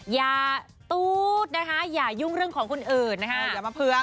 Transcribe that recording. อย่าตู๊ดนะคะอย่ายุ่งเรื่องของคุณอื่นนะคะ